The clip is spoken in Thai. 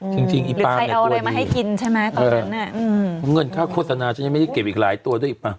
จริงอีป้าแม่ตัวดีอืมอืมมันเงินค่าโฆษณาฉันยังไม่ได้เก็บอีกหลายตัวด้วยอีป้า